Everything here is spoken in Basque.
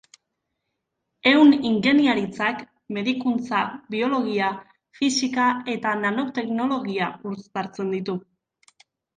Ehun-ingeniaritzak medikuntza, biologia, fisika eta nanoteknologia uztartzen ditu.